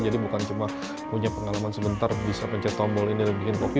jadi bukan cuma punya pengalaman sebentar bisa pencet tombol ini dan bikin kopi